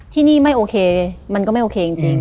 ที่นี่ไม่โอเคมันก็ไม่โอเคจริง